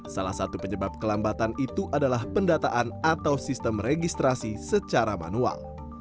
salah satu penyebab kelambatan itu adalah pendataan atau sistem registrasi secara manual